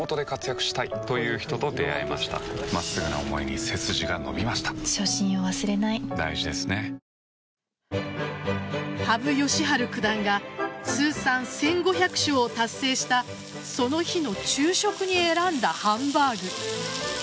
棋士の勝負を支えるため考案したのが羽生善治九段が通算１５００勝を達成したその日の昼食に選んだハンバーグ。